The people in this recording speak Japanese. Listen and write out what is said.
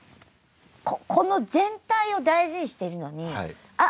ここの全体を大事にしてるのに分かります。